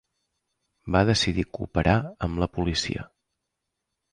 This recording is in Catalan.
Va decidir cooperar amb la policia.